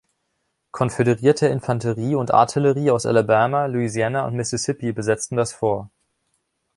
Konföderierte Infanterie und Artillerie aus Alabama, Louisiana und Mississippi besetzten das Fort.